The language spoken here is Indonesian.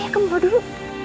ayah kemau dulu